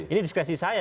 ini diskresi saya